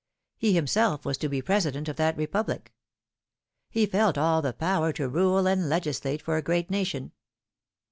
He himself was to be President of that Republic. He felt all the power to rule and legislate for a great nation.